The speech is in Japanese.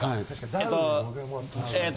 えっと。